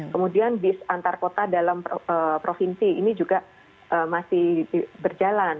kemudian bis antar kota dalam provinsi ini juga masih berjalan